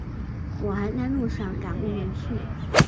我还在路上赶不回去